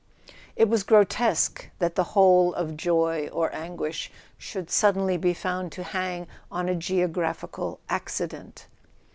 It was grotesque that the whole of joy or anguish should suddenly be found to hang on a geographical accident.